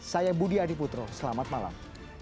saya budi adiputro selamat malam